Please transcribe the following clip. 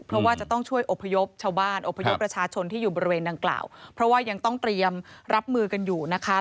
เพราะว่าจะต้องช่วยอบพยพชาวบ้านอบพยพประชาชนที่อยู่บริเวณดังกล่าวเพราะว่ายังต้องเตรียมรับมือกันอยู่นะคะ